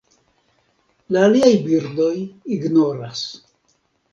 La aliaj birdoj ignoras.